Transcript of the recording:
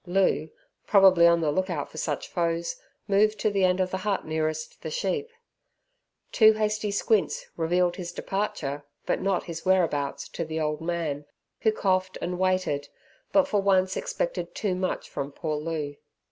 Loo, probably on the look out for such foes, moved to the end of the hut nearest the sheep. Two hasty squints revealed his departure, but not his whereabouts, to the old man, who coughed and waited, but for once expected too much from poor Loo.